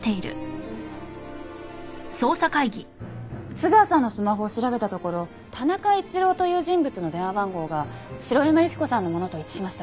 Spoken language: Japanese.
津川さんのスマホを調べたところ田中一郎という人物の電話番号が城山由希子さんのものと一致しました。